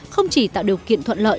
không chỉ tạo điều kiện thuận lợi